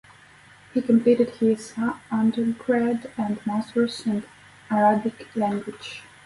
He completed his undergrad and masters in Arabic language.